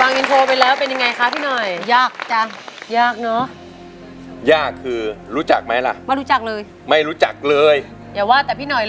ฟังอินโทรไปแล้วเป็นยังไงครับพี่หน่อย